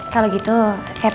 kalau gitu saya permisi ya pak